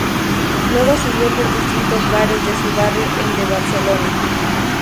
Luego siguió por distintos bares de su barrio en de Barcelona.